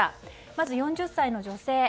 まず４０代の女性。